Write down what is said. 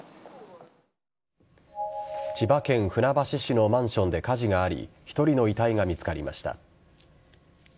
千葉県船橋市のマンションで火事があり１人の遺体が見つかりました。